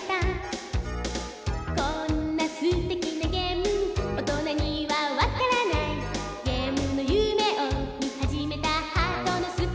「こんなすてきなゲーム大人にはわからない」「ゲームの夢をみはじめたハートのストーリー」